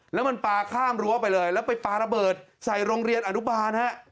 แล้วมันปลาข้ามรั้วไปเลยแล้วไปปลาระเบิดใส่โรงเรียนอนุบาลฮะ